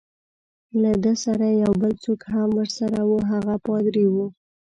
له ده سره یو بل څوک هم ورسره وو، هغه پادري وو.